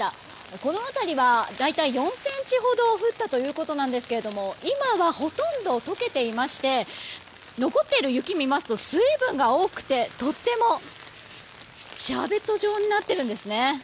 この辺りは大体４ｃｍほど降ったということなんですけども今はほとんど解けていまして残っている雪を見ますと水分が多くてとてもシャーベット状になっているんですね。